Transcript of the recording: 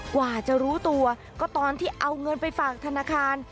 กว่าจะรู้ตัวก็ตอนที่เอาเงินไปฝากธนาคาร